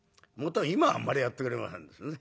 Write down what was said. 今はあんまりやってくれませんですね。